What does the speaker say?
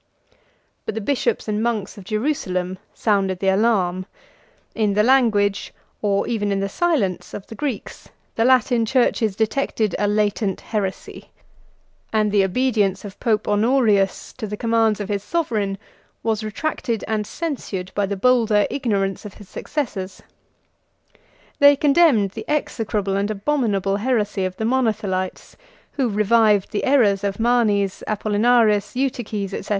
But the bishop and monks of Jerusalem sounded the alarm: in the language, or even in the silence, of the Greeks, the Latin churches detected a latent heresy: and the obedience of Pope Honorius to the commands of his sovereign was retracted and censured by the bolder ignorance of his successors. They condemned the execrable and abominable heresy of the Monothelites, who revived the errors of Manes, Apollinaris, Eutyches, &c.